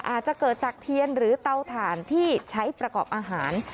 อาจจะเกิดจากเทียนหรือเตาถ่านที่ใช้ประกอบอาหาร